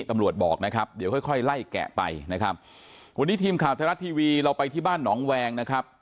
ตำรวจบอกนะครับเดี๋ยวค่อยค่อยไล่แกะไปนะครับวันนี้ทีมข่าวไทยรัฐทีวีเราไปที่บ้านหนองแวงนะครับ